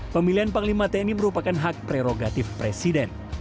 pemilihan panglima tni merupakan hak prerogatif presiden